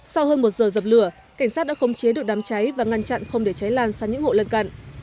sau hơn một giờ dập lửa cảnh sát đã không chế được đám cháy và ngăn chặn không để cháy lan sang những hộ lân cận